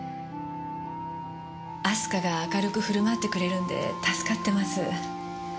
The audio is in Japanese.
明日香が明るく振る舞ってくれるんで助かってます。